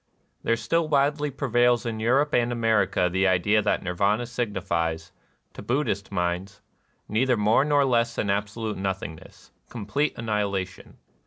There still widely prevails in Europe and America tlie idea tliat Nirvana signifies, to Buddbist minds, neither more nor less than absolute nothingness, — complete annihilation.